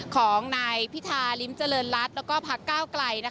ของนายพิธาริมเจริญรัฐแล้วก็พักก้าวไกล